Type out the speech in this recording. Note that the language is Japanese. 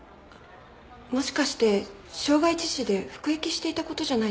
もしかして傷害致死で服役していた事じゃないでしょうか？